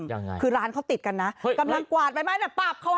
ยังไงคือร้านเขาติดกันนะกำลังกวาดใบไม้น่ะปับเขาให้